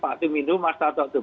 pak tu minum masjid atau itu